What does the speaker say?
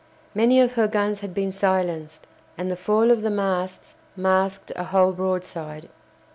Many of her guns had been silenced, and the fall of the masts masked a whole broadside.